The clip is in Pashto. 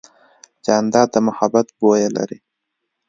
جانداد د محبت بویه لري.